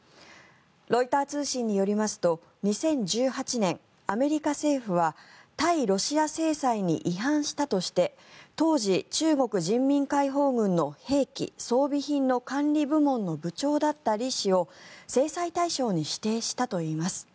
ロイター通信によりますと２０１８年、アメリカ政府は対ロシア制裁に違反したとして当時、中国人民解放軍の兵器、装備品の管理部門の部長だったリ氏を制裁対象にしていたといいます。